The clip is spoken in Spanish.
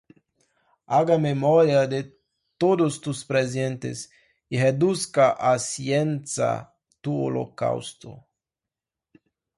Haga memoria de todos tus presentes, Y reduzca á ceniza tu holocausto.